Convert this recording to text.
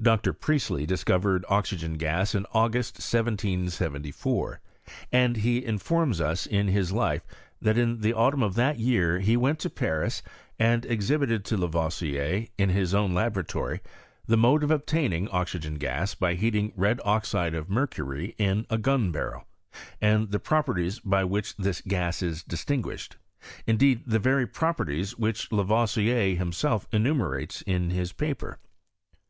Dr. PrieBtleydiscovered oxygen gas in August, 1774; and be informs us in his life, that in the autumn of that year he went to Paris and exhibited to Lavoisier, in his own laboratoify the mode of obtaining oxygen gas by heating red oxide of mercury in a gun barrel, and the properties by which this gas is distin guished— indeed the very properties which Lavoisier himself enumerates in his paper.